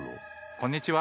こんにちは。